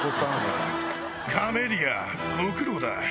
カメリアご苦労だ。